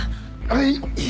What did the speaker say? はい。